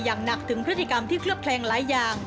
อย่างหนักถึงพฤติกรรมที่เคลือบแคลงหลายอย่าง